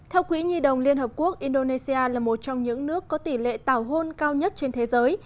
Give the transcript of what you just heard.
theo quỹ nhi đồng liên hợp quốc indonesia là một trong những nước có tỷ lệ tảo hôn cao nhất trên thế giới